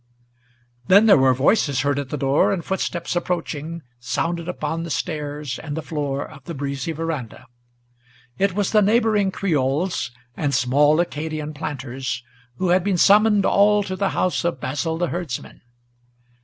Then there were voices heard at the door, and footsteps approaching Sounded upon the stairs and the floor of the breezy veranda. It was the neighboring Creoles and small Acadian planters, Who had been summoned all to the house of Basil the Herdsman.